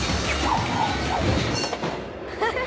アハハハ。